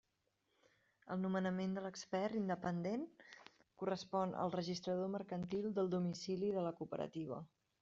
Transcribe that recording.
El nomenament de l'expert independent correspon al registrador mercantil del domicili de la cooperativa.